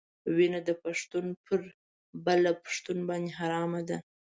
وینه د پښتون پر بل پښتون باندې حرامه ده.